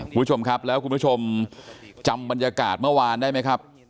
คุณผู้ชมครับแล้วคุณผู้ชมจำบรรยากาศเมื่อวานได้ไหมครับ